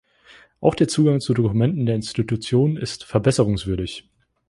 Auch der Zugang zu Dokumenten der Institutionen ist verbesserungswürdig.